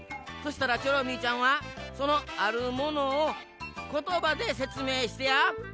そしたらチョロミーちゃんはそのあるものをことばでせつめいしてや。